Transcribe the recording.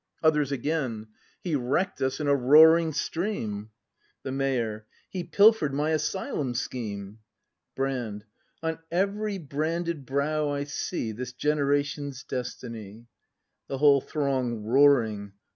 Others Again. He wreck'd us in a roaring stream I The Mayor. He pilfer'd my Asylum scheme! Brand. On every branded brow I see This generation's destiny. The Whole Throng, [Roaring.